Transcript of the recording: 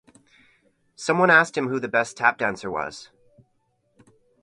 Someone asked him who the best tap dancer was.